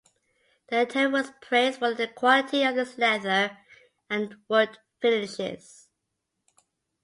The interior was praised for the quality of its leather and wood finishes.